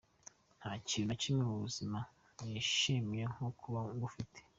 Ntakintu nakimwe mubuzima nishimira nko kuba ngufite.